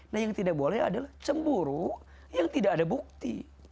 nah yang tidak boleh adalah cemburu yang tidak ada bukti